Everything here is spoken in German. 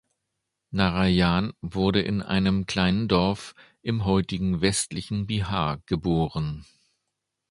Narayan wurde in einem kleinen Dorf im heutigen westlichen Bihar geboren.